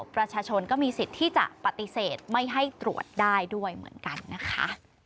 ประชาชนก็มีสิทธิ์ที่จะปฏิเสธไม่ให้ตรวจได้ด้วยเหมือนกันนะคะ